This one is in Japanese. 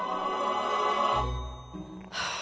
はあ。